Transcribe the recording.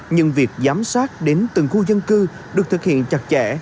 nhưng việc giám sát đến từng khu dân cư được thực hiện chặt chẽ